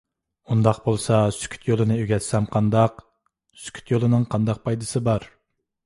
− ئۇنداق بولسا «سۈكۈت» يولىنى ئۆگەتسەم قانداق؟ − «سۈكۈت» يولىنىڭ قانداق پايدىسى بار؟